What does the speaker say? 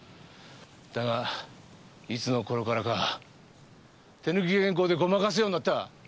だがいつの頃からか手抜き原稿でごまかすようになった。